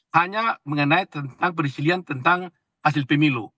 hanya mengenai tentang perisilian tentang hasil pemilu